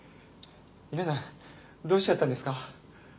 皆さんどうしちゃったんですか？